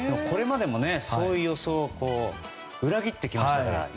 これまでも、そういう予想を裏切ってきましたから。